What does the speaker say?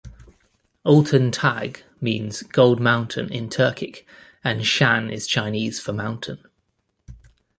Altyn Tag means "Gold Mountain" in Turkic, and Shan is Chinese for "mountain".